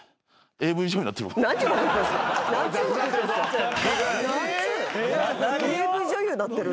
ＡＶ女優なってる？